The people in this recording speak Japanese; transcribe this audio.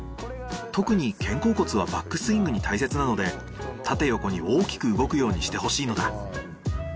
特に肩甲骨はバックスイングに大切なので縦横に大きく動くようにしてほしいのだ。